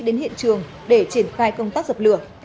đến hiện trường để triển khai công tác dập lửa